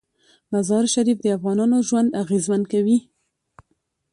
مزارشریف د افغانانو ژوند اغېزمن کوي.